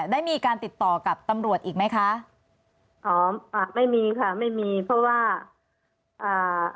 ได้มีการติดต่อกับตำรวจอีกไหมคะอ๋ออ่าไม่มีค่ะไม่มีเพราะว่าอ่า